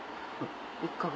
１か月？